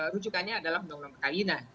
rujukannya adalah undang undang alina